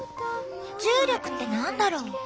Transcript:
重力って何だろう？